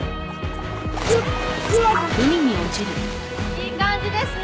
いい感じですね。